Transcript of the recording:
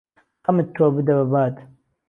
خەمت تۆ بده به باد